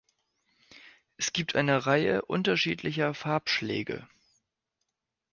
Es gibt eine Reihe unterschiedlicher Farbschläge.